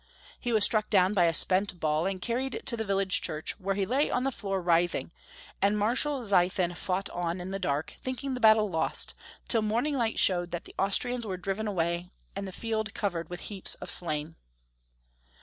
He was struck down by a spent ball, and carried to the village church, where he lay on the floor writhing, and Marshal Zeithen fought on in the dark, thinking the battle lost, till morning light showed that the Austrians were driven away, and the field covered with heaps of slain.